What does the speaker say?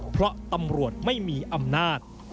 เพราะตำรวจไม่มีอำนาจ